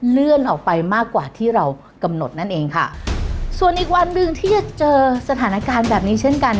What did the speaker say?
เลื่อนออกไปมากกว่าที่เรากำหนดนั่นเองค่ะส่วนอีกวันหนึ่งที่จะเจอสถานการณ์แบบนี้เช่นกัน